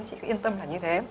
chị cứ yên tâm là như thế